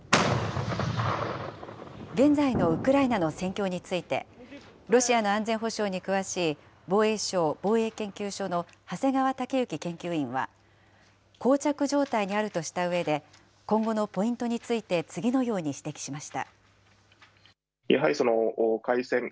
現在のウクライナの戦況について、ロシアの安全保障に詳しい防衛省防衛研究所の長谷川雄之研究員は、こう着状態にあるとしたうえで、今後のポイントについて次のように指摘しました。